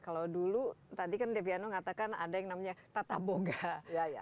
kalau dulu tadi kan deviano katakan ada yang namanya tata boga